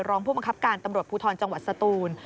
รองผู้บังคับการตำรวจภูทรจังหวัดสตูน